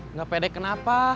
nggak pede kenapa